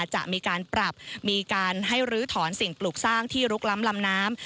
จะมีการปรับมีการให้ลื้อถอนสิ่งปลูกสร้างที่ลุกล้ำลำน้ำ